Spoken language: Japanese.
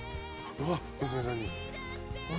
うわっ娘さんに？